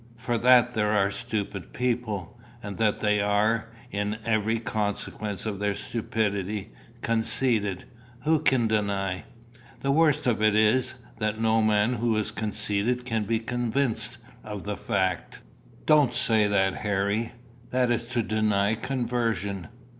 For that there are stupid people, and that they are, in very consequence of their stupidity, conceited, who can deny? The worst of it is, that no man who is conceited can be convinced of the fact." "Don't say that, Harry. That is to deny conversion."